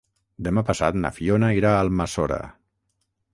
Demà passat na Fiona irà a Almassora.